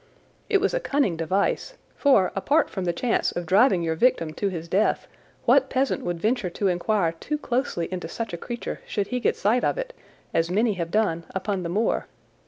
It was a cunning device, for, apart from the chance of driving your victim to his death, what peasant would venture to inquire too closely into such a creature should he get sight of it, as many have done, upon the moor?